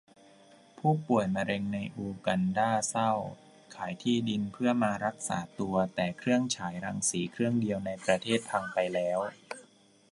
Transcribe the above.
ผู้ป่วยมะเร็งในอูกันดาเศร้า ขายที่ดินเพื่อมารักษาตัว แต่เครื่องฉายรังสีเครื่องเดียวในประเทศพังไปแล้ว